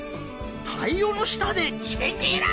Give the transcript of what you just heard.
太陽の下でチェケラ！